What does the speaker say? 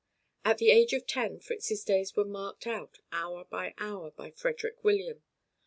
At the age of ten Fritz's days were marked out hour by hour by Frederick William.